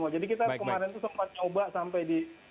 jadi kita kemarin itu sempat coba sampai di